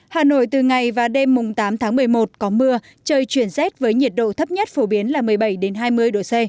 hà nội từ ngày và đêm mùng tám tháng một mươi một có mưa trời chuyển rét với nhiệt độ thấp nhất phổ biến là một mươi bảy hai mươi độ c